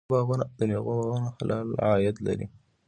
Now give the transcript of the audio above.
د میوو باغونه حلال عاید لري.